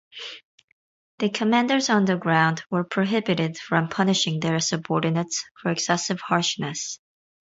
The commanders on the ground were prohibited from punishing their subordinates for excessive harshness.